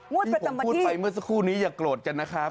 งวดประจำบันที่ที่ผมพูดไปเมื่อสักครู่นี้อย่าโกรธฉันนะครับ